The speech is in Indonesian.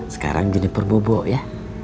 sekarang gineper bobo ya